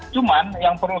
cuman yang perlu kita